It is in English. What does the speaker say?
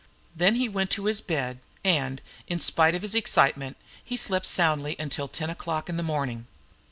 Then he went to his bed, and, in spite of his excitement, he slept soundly until ten o'clock in the morning.